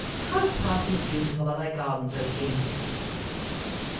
How passing beautiful are thy gardens, O King!"